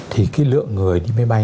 thì cái lượng người đi máy bay